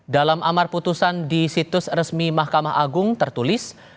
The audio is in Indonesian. dalam amar putusan di situs resmi mahkamah agung tertulis